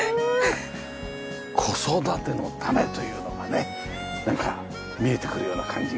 子育てのためというのがねなんか見えてくるような感じがねえ。